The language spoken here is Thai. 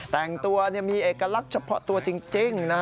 แต่งตัวมีเอกลักษณ์เฉพาะตัวจริง